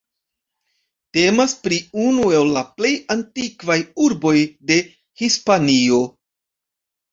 Temas pri unu el la plej antikvaj urboj de Hispanio.